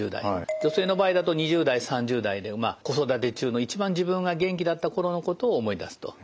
女性の場合だと２０代３０代で子育て中の一番自分が元気だった頃のことを思い出すと。